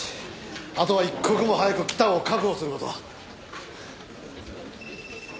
あとは一刻も早く北を確保する事だ。